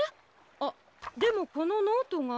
あっでもこのノートが。